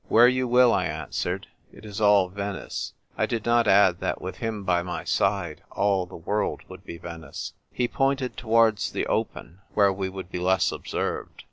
" Where you will," I answered; "it is all Venice." I did not add that with him by my side all the world would be Venice. He pointed towards the open, where we would be less observed.